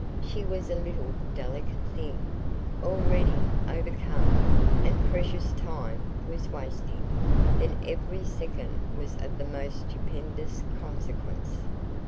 She was a little delicate thing, already overcome, and precious time was wasting, when every second was of the most stupendous consequence.